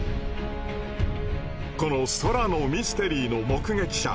この空のミステリーの目撃者。